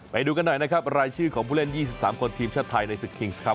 ไปดูกันหน่อยนะครับรายชื่อของผู้เล่น๒๓คนทีมชาติไทยในศึกคิงส์ครับ